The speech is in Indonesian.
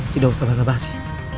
tidak usah basa basi